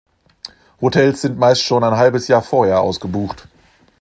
Hotels sind meist schon ein halbes Jahr vorher ausgebucht.